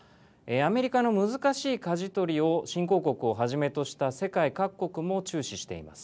アメリカの難しいかじ取りを新興国をはじめとした世界各国も注視しています。